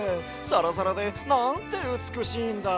サラサラでなんてうつくしいんだ！